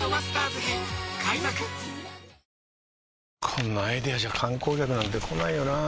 こんなアイデアじゃ観光客なんて来ないよなあ